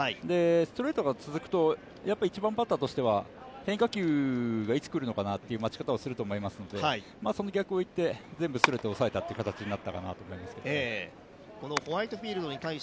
ストレートが続くと１番バッターとしては変化球がいつくるのかなという待ち方をすると思いますのでその逆をいって全部ストレートを抑えたという形になったのかなと。